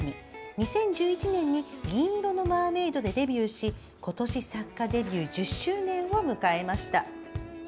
２０１１年に「銀色のマーメイド」でデビューし今年、作家デビュー１０周年を迎えました。